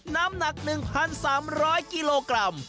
น้ำหนัก๑๓๐๐กิโลกรัม